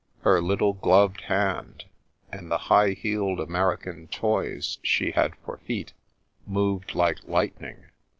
Her little gloved hand, and the high heeled American toys she hkd for feet, moved like lightning.